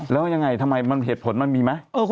แล้วยังไงทำไมเหตุผลมันมีไหม